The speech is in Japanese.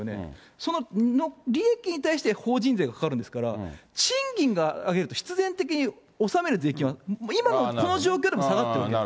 その利益に対して法人税がかかるんですから、賃金上げると必然的に納める税金は、今のこの状況でも下がってる。